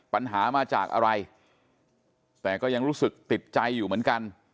ปัญหามาจากอะไรแต่ก็ยังรู้สึกติดใจอยู่เหมือนกัน